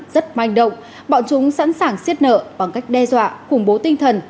rất manh động bọn chúng sẵn sàng xiết nợ bằng cách đe dọa khủng bố tinh thần